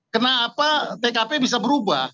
kenapa tkp bisa berubah